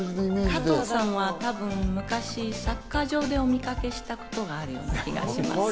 加藤さんは多分、昔サッカー場でお見かけしたことがある気がします。